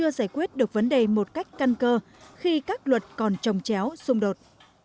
giải quyết được vấn đề một cách căn cơ khi các luật còn trồng chéo xung đột